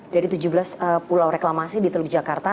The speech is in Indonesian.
dari tujuh belas pulau reklamasi di teluk jakarta